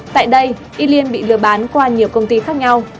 tại đây y liên bị lừa bán qua nhiều công ty khác nhau